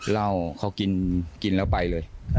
เหล้าเขากินแล้วไปเลย